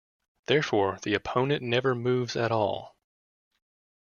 Therefore, the opponent never moves at all.